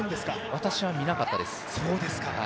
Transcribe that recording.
私は見なかったです。